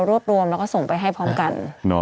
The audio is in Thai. รวบรวมแล้วก็ส่งไปให้พร้อมกัน